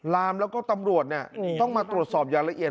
ลามแล้วก็ตำรวจต้องมาตรวจสอบอย่างละเอียด